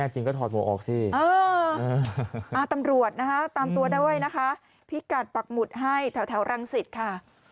จะจัดปักหมุดให้เท่ารังสิตค่ะ